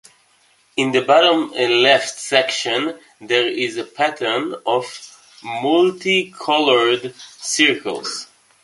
In the bottom left section there is a pattern of multicolored circles.